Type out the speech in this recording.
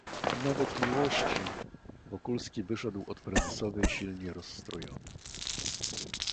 "Nawet miłości... Wokulski wyszedł od prezesowej silnie rozstrojony."